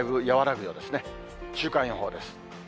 週間予報です。